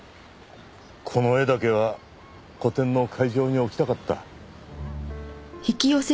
この絵だけは個展の会場に置きたかった。